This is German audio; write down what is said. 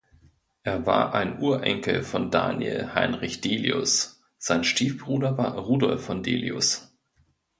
Er war ein Urenkel von Daniel Heinrich Delius; sein Stiefbruder war Rudolf von Delius.